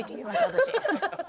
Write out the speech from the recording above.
私